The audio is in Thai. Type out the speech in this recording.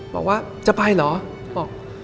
บอกว่าจะไปเหรอ